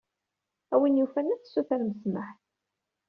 A win yufan ad tessutrem ssmaḥ.